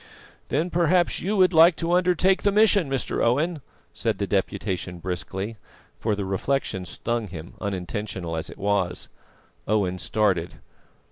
"Then perhaps you would like to undertake the mission, Mr. Owen," said the Deputation briskly; for the reflection stung him, unintentional as it was. Owen started.